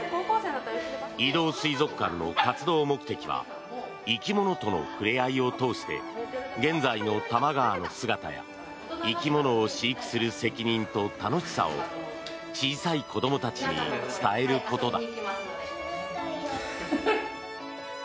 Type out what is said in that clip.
移動水族館の活動目的は生き物との触れ合いを通して現在の多摩川の姿や生き物を飼育する責任と楽しさを小さい子どもたちに伝えることだ。